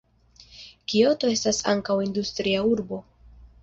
Kioto estas ankaŭ industria urbo.